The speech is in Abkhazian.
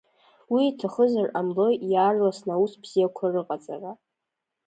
Уи иҭахызар ҟамлои иаарласны аус бзиақәа рыҟаҵара?